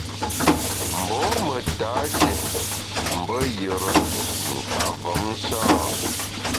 Mbô me tashé mbe yùre nta mvom sha ?